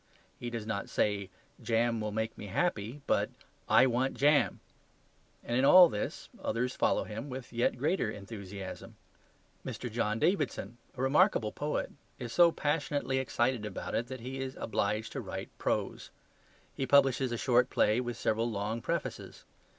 He does not say, "Jam will make me happy," but "I want jam." And in all this others follow him with yet greater enthusiasm. Mr. John Davidson, a remarkable poet, is so passionately excited about it that he is obliged to write prose. He publishes a short play with several long prefaces.